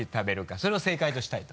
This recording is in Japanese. それを正解としたいと。